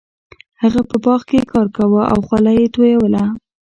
هغه په باغ کې کار کاوه او خوله یې تویوله.